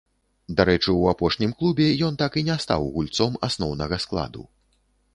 Дарэчы, у апошнім клубе ён так і не стаў гульцом асноўнага складу.